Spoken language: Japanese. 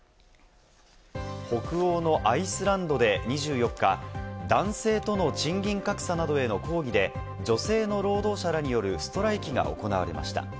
北欧のアイスランドで２４日、男性との賃金格差などへの抗議で女性の労働者によるストライキが行われました。